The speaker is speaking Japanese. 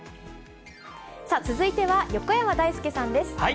続いては、横山だいすけさん